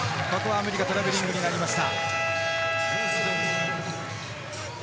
アメリカ、トラベリングになりました。